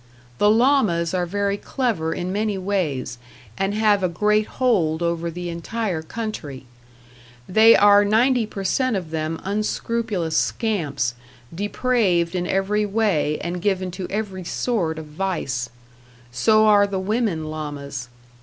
The Lamas are very clever in many ways, and have a great hold over the entire country. They are ninety per cent of them unscrupulous scamps, depraved in every way and given to every sort of vice. So are the women Lamas.